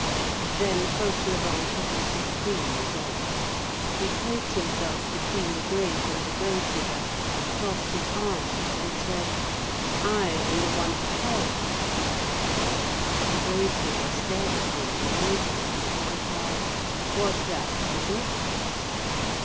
Then Fauchelevent took a supreme resolve. He placed himself between the grave and the grave digger, crossed his arms and said:— "I am the one to pay!" The grave digger stared at him in amazement, and replied:— "What's that, peasant?"